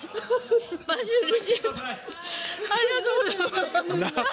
ありがとうございます。